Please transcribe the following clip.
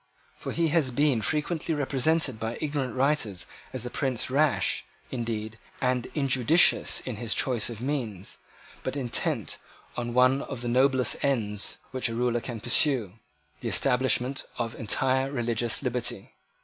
For he has been frequently represented by ignorant writers as a prince rash, indeed, and injudicious in his choice of means, but intent on one of the noblest ends which a ruler can pursue, the establishment of entire religious liberty.